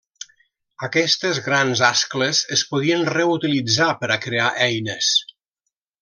Aquestes grans ascles es podien reutilitzar per a crear eines.